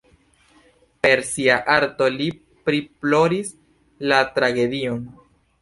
Per sia arto li priploris la tragedion.